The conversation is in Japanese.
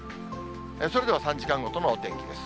それでは３時間ごとのお天気です。